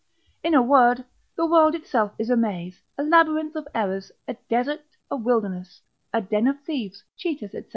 In a word, the world itself is a maze, a labyrinth of errors, a desert, a wilderness, a den of thieves, cheaters, &c.